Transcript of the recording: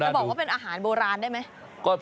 บอกว่าเป็นอาหารโบราณได้ไหม